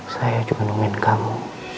saya juga nungguin kamu